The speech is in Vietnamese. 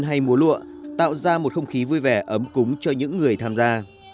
hay múa lụa tạo ra một không khí vui vẻ ấm cúng cho những người tham gia